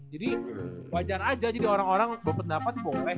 jadi wajar aja jadi orang orang berpendapat boleh